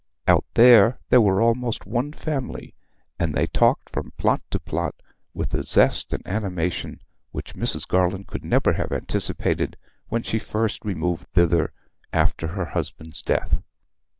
Out there they were almost one family, and they talked from plot to plot with a zest and animation which Mrs. Garland could never have anticipated when she first removed thither after her husband's death.